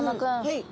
はい！